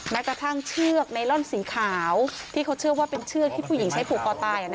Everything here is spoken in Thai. แม้กระทั่งเชือกไนลอนสีขาวที่เขาเชื่อว่าเป็นเชือกที่ผู้หญิงใช้ผูกคอตาย